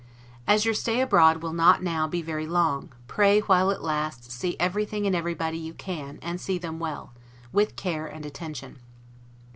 As your stay abroad will not now be very long, pray, while it lasts, see everything and everybody you can, and see them well, with care and attention.